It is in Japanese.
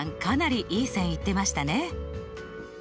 かなりいい線いってましたね。